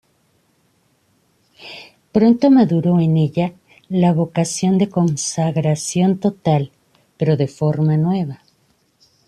Pronto maduró en ella la vocación de consagración total, pero de forma nueva.